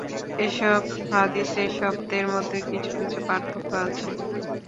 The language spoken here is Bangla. এসব হাদীসের শব্দের মধ্যে কিছু কিছু পার্থক্য আছে।